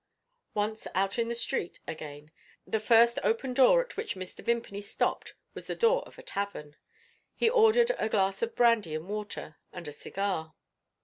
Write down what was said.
Once out in the streets again, the first open door at which Mr. Vimpany stopped was the door of a tavern. He ordered a glass of brandy and water, and a cigar.